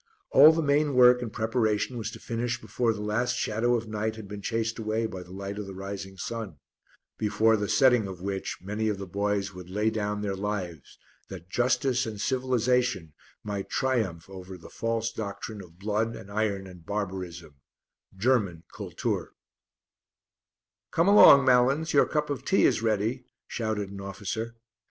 All the main work and preparation was to finish before the last shadow of night had been chased away by the light of the rising sun, before the setting of which many of the boys would lay down their lives that justice and civilisation might triumph over the false doctrine of blood and iron and barbarism German Kultur. "Come along, Malins, your cup of tea is ready," shouted an officer.